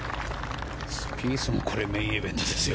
スピースもこれ、メインイベントですよ。